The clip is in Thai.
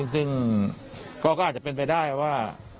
ซึ่งก็อาจจะเป็นไปได้ว่า